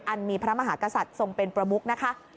มีพระมหากษัตริย์ทรงเป็นประมุกนะคะ